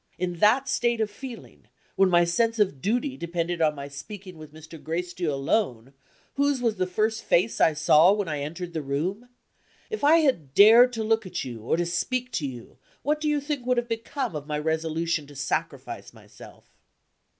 In that state of feeling, when my sense of duty depended on my speaking with Mr. Gracedieu alone, whose was the first face I saw when I entered the room? If I had dared to look at you, or to speak to you, what do you think would have become of my resolution to sacrifice myself?"